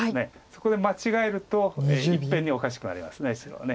そこで間違えるといっぺんにおかしくなります白は。